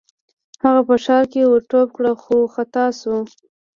هغه په ښکار ور ټوپ کړ خو خطا شو.